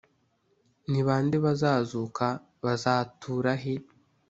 ni bande bazazuka, bazatura he ?